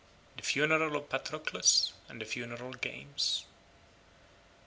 The funeral of Patroclus, and the funeral games.